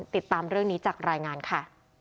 ติดตามเรื่องนี้จากรายงานค่ะ